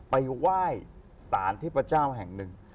ไปว่ายสารเทพเจ้าแห่งนึง